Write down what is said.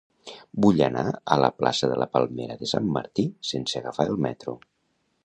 Vull anar a la plaça de la Palmera de Sant Martí sense agafar el metro.